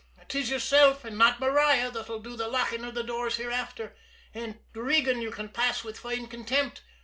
'Tis yourself, and not Maria, that'll do the locking of the doors hereafter, and 'tis Regan you can pass with fine contempt.